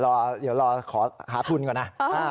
เดี๋ยวรอขอหาทุนก่อนนะ